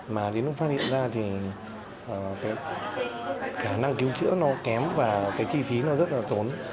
mà đến lúc phát hiện ra thì cái khả năng cứu chữa nó kém và cái chi phí nó rất là tốn